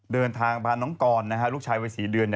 เดินทางพาน้องกรลูกชายวัย๔เดือน